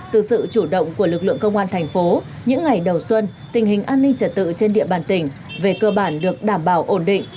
từ sự chủ động của lực lượng công an thành phố những ngày đầu xuân tình hình an ninh trật tự trên địa bàn tỉnh về cơ bản được đảm bảo ổn định